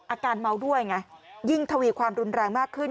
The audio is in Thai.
อาการเมาด้วยไงยิ่งทวีความรุนแรงมากขึ้น